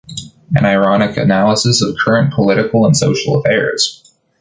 An ironic analysis of current political and social affairs.